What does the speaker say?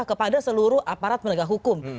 kepada seluruh aparat penegak hukum